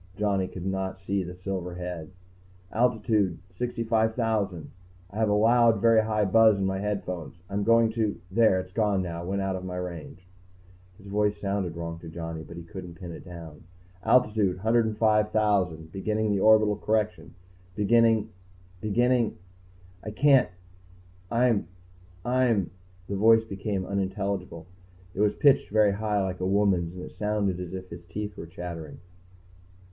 Johnny could not see the silver head. "Altitude ... 65,000.... I have a loud, very high buzz in my headphones. I'm going to there, it's gone now, went out of my range." His voice sounded wrong to Johnny, but he couldn't pin it down. "Altitude ... 105,000. Beginning orbital correction. Beginning beginning ... I can't I'm I'm " The voice became unintelligible. It was pitched very high, like a woman's, and it sounded as if his teeth were chattering.